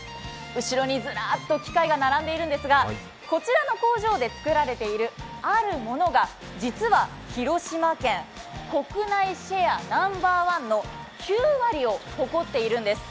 後ろにずらっと機械が並んでいるんですがこちらの工場で作られているあるものが実は広島県国内シェアナンバーワンの９割を誇っているんです。